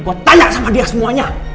gue tanya sama dia semuanya